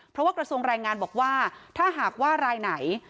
เพราะว่ากระทรวงแรงงานบอกว่าถ้าหากว่ารายไหน